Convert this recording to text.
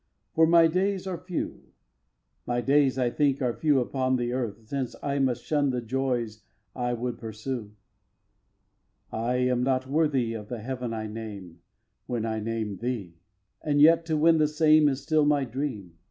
For my days are few; My days, I think, are few upon the earth Since I must shun the joys I would pursue. iii. I am not worthy of the Heaven I name When I name thee; and yet to win the same Is still my dream.